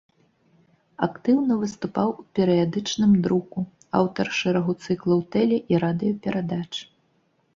Актыўна выступаў у перыядычным друку, аўтар шэрагу цыклаў тэле- і радыёперадач.